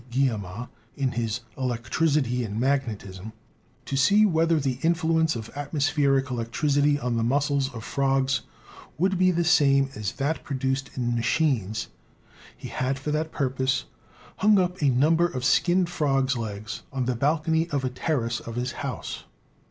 Guillemin in his 'Electricity and Magnetism,' "to see whether the influ ence of atmospheric electricity on the muscles of frogs would be the same as that produced in machines, he had for that purpose hung up a number of skinned frogs' legs on the balcony of a terrace of his house.